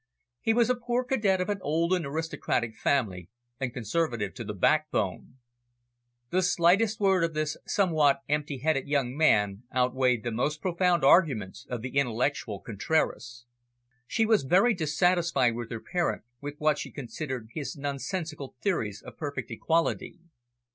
He was a poor cadet of an old and aristocratic family, and conservative to the backbone. The slightest word of this somewhat empty headed young man outweighed the most profound arguments of the intellectual Contraras. She was very dissatisfied with her parent, with what she considered his nonsensical theories of perfect equality.